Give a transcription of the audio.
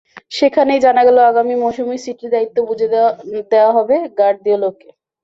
সেখানেই জানা গেল, আগামী মৌসুমেই সিটির দায়িত্ব বুঝিয়ে দেওয়া হবে গার্দিওলাকে।